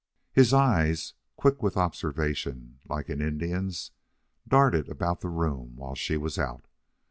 His eyes, quick with observation like an Indian's, darted about the room while she was out.